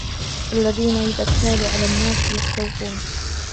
الَّذِينَ إِذَا اكْتَالُوا عَلَى النَّاسِ يَسْتَوْفُونَ